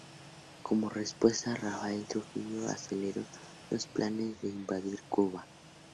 Como respuesta Rafael Trujillo aceleró los planes de invadir Cuba.